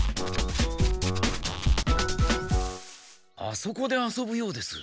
あそこで遊ぶようです。